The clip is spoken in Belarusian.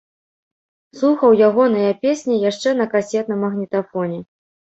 Слухаў ягоныя песні яшчэ на касетным магнітафоне.